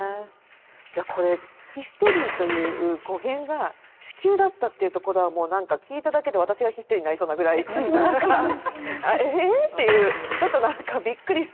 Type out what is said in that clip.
いやこれヒステリーという語源が子宮だったっていうところはもう何か聞いただけで私がヒステリーになりそうなぐらいえっ⁉というちょっと何かびっくりする語源だったんで。